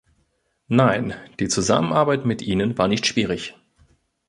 Nein, die Zusammenarbeit mit Ihnen war nicht schwierig.